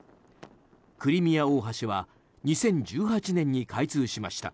クリミア大橋は２０１８年に開通しました。